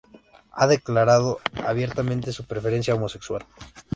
Ha declarado abiertamente su preferencia homosexual.